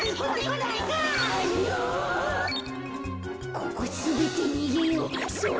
ここすべってにげよう。